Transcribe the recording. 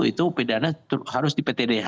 itu pidana harus di ptdh